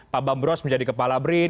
pak bambros menjadi kepala brin